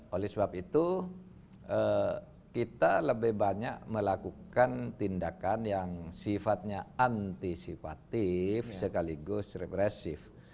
oleh sebab itu kita lebih banyak melakukan tindakan yang sifatnya antisipatif sekaligus represif